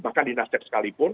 bahkan dinastik sekalipun